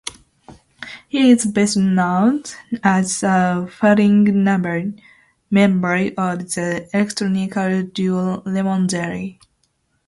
He is best known as a founding member of the electronica duo Lemon Jelly.